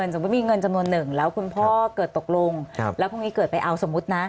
สมมุติมีเงินจำนวนหนึ่งแล้วคุณพ่อเกิดตกลงแล้วพรุ่งนี้เกิดไปเอาสมมุตินะ